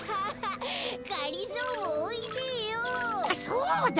そうだ！